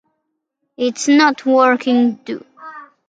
They called them the "Drakensbergen", or "Mountains of Dragons".